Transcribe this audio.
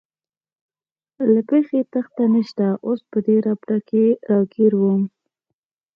له پېښې تېښته نشته، اوس په دې ربړه کې راګیر ووم.